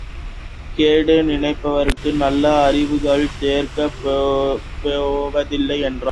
கேடு நினைப்பவர்க்கு நல்ல அறிவுரைகள் ஏற்கப் போவதில்லை என்றான்.